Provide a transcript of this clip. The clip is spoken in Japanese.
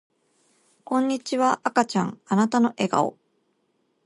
こんにちは赤ちゃんあなたの笑顔